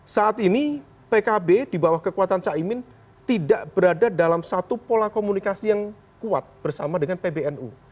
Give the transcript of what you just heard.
saat ini pkb di bawah kekuatan caimin tidak berada dalam satu pola komunikasi yang kuat bersama dengan pbnu